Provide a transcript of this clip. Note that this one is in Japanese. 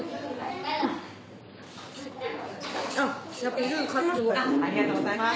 ありがとうございます。